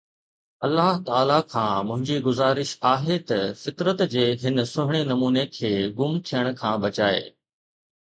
الله تعاليٰ کان منهنجي گذارش آهي ته فطرت جي هن سهڻي نموني کي گم ٿيڻ کان بچائي